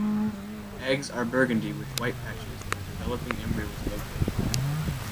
Eggs are burgundy with white patches where the developing embryo was located.